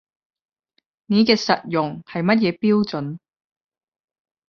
你嘅實用係乜嘢標準